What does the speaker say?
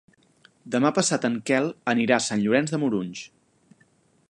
Demà passat en Quel anirà a Sant Llorenç de Morunys.